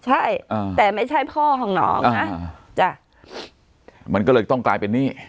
ใช่แต่ไม่ใช่พ่อของน้องนะจ้ะมันก็เลยต้องกลายเป็นหนี้